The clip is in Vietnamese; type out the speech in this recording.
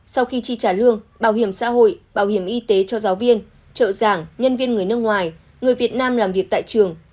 sau khi chi trả lương bảo hiểm xã hội bảo hiểm y tế cho giáo viên trợ giảng nhân viên người nước ngoài người việt nam làm việc tại trường